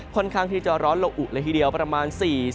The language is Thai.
ค่อนข้างที่จะร้อนละอุเลยทีเดียวประมาณ๔๐